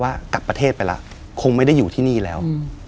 ว่ากลับประเทศไปแล้วคงไม่ได้อยู่ที่นี่แล้ว